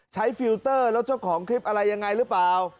ฟิลเตอร์แล้วเจ้าของคลิปอะไรยังไงหรือเปล่า